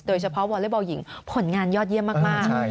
โดยเฉพาะวอลเล็กบอลหญิงผลงานยอดเยี่ยมมาก